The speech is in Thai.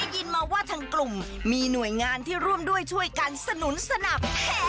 ยินมาว่าทางกลุ่มมีหน่วยงานที่ร่วมด้วยช่วยกันสนุนสนับ